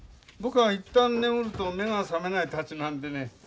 僕は一旦眠ると目が覚めないたちなんでね。